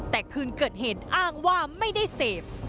แต่คืนเกิดเหตุอ้างว่าไม่ได้เสพ